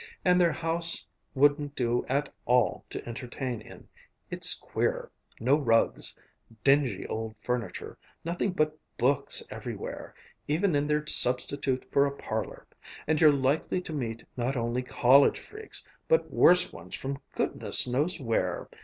And their house wouldn't do at all to entertain in it's queer no rugs dingy old furniture nothing but books everywhere, even in their substitute for a parlor and you're likely to meet not only college freaks, but worse ones from goodness knows where.